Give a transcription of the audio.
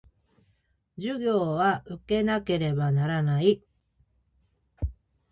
授業は受けなければならない